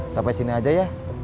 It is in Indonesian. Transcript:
sampai sini aja ya